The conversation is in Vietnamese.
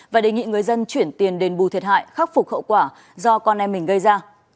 và đề nghị người dân chuyển tiền đền bù thiệt hại khắc phục hậu quả do con em mình gây ra